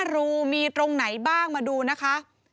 รูมีตรงไหนบ้างมาดูนะคะ